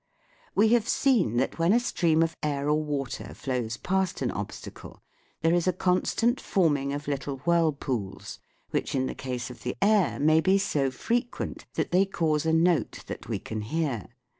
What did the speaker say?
We have seen that when a stream of air or water flows past an obstacle there is a constant forming of little whirlpools, which in the case of the air may be so frequent that they cause a note that we can hear.